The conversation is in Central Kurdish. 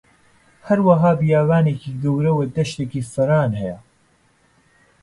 هەروەها بیابانێکی گەورە و دەشتێکی فران هەیە